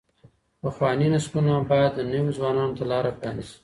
پخواني نسلونه بايد نويو ځوانانو ته لاره پرانيزي.